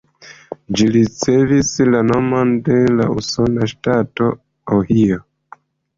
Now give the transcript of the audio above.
Ĝi ricevis la nomon de la usona ŝtato Ohio.